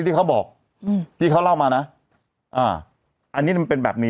อ่าอ่าอ่าอ่าอ่าอ่าอ่าอ่าอ่าอ่าอ่าอ่าอ่าอ่าอ่าอ่าอ่า